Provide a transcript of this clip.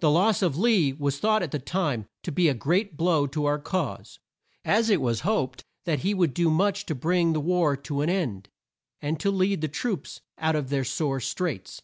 The loss of Lee was thought at the time to be a great blow to our cause, as it was hoped that he would do much to bring the war to an end, and to lead the troops out of their sore straits.